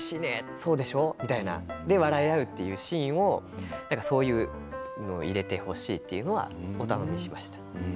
そうでしょう？って笑い合うようなシーンをそういうのを入れてほしいというのはお頼みしました。